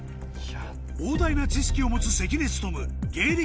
膨大な知識を持つ関根勤芸歴